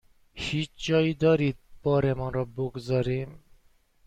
هیچ جایی دارید بارمان را بگذاریم؟